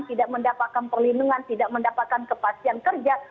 tidak mendapatkan perlindungan tidak mendapatkan kepastian kerja